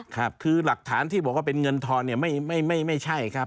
ครับคือหลักฐานที่บอกว่าเป็นเงินทอนเนี่ยไม่ใช่ครับ